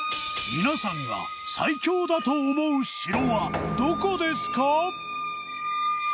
皆さんが最強だと思う城はどこですか？